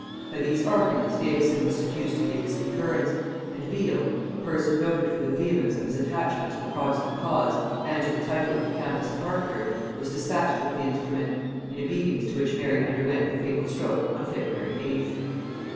By these arguments Davison was seduced to give his concurrence; and Beal, a person noted for the vehemence of his attachment to the protestant cause and to the title of the countess of Hertford, was dispatched with the instrument; in obedience to which Mary underwent the fatal stroke on February 8th.